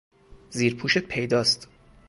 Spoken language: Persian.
زیرپوشت پیداست!